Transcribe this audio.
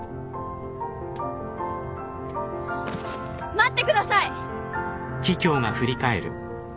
待ってください！